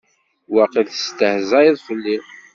Waqil testehzayeḍ fell-i.